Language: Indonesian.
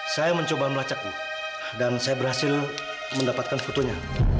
saya mencoba melacak dan saya berhasil mendapatkan fotonya